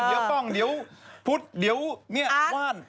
เดี๋ยวป้องเดี๋ยวพุธเดี๋ยวเนี่ยว่าน